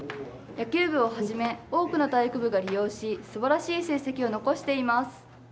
野球部をはじめ多くの体育部が利用しすばらしい成績を残しています。